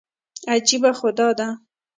عجیبه خو دا ده.